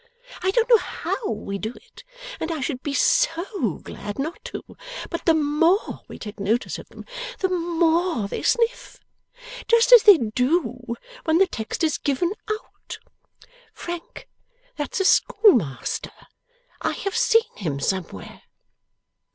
I don't know HOW we do it, and I should be so glad not to; but the MORE we take notice of them, the MORE they sniff. Just as they do when the text is given out. Frank, that's a schoolmaster. I have seen him somewhere.